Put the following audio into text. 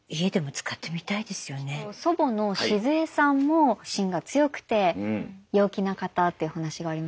祖母のシズエさんもしんが強くて陽気な方というお話がありましたが。